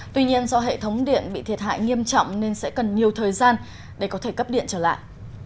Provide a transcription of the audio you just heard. tuy nhiên do hệ thống điện bị thiệt hại nghiêm trọng nên sẽ cần nhiều thời gian để có thể cấp điện trở lại